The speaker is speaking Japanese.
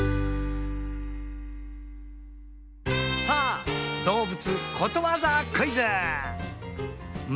さあどうぶつことわざクイズ。